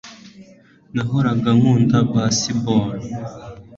Nahoraga nkunda baseball